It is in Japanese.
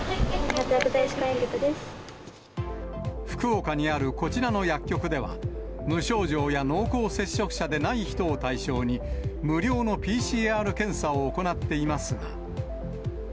福岡にあるこちらの薬局では、無症状や濃厚接触者でない人を対象に、無料のＰＣＲ検査を行っていますが。